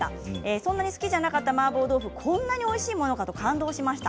そんなに好きじゃなかったマーボー豆腐おいしいものかと感動しました。